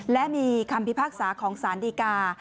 และมีคำพิพากษาของสารดีกา